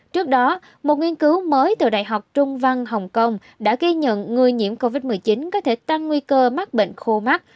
trước đó một nghiên cứu mới từ đại học trung văn hồng kông đã ghi nhận người nhiễm covid một mươi chín có thể tăng nguy cơ mắc bệnh khô mắt